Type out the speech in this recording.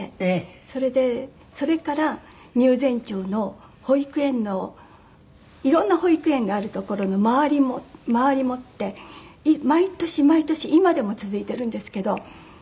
それでそれから入善町の保育園のいろんな保育園がある所の回り持って毎年毎年今でも続いてるんですけど。